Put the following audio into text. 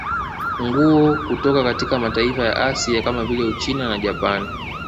Nguo kutoka katika mataifa ya Asia kama vile Uchina na Japani